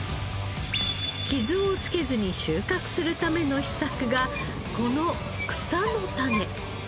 傷をつけずに収穫するための秘策がこの草の種。